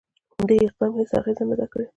دې اقدام هیڅ اغېزه نه ده کړې.